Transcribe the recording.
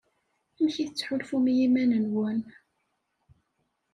Amek i tettḥulfum i yiman-nwen?